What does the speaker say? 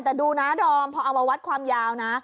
แต่ดูนะดอมพอเอามาวัดความยาวนะ